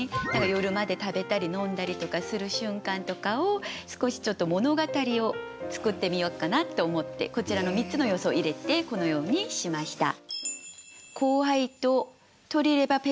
夜まで食べたり飲んだりとかする瞬間とかを少しちょっと物語を作ってみよっかなって思ってこちらの３つの要素を入れてこのようにしました。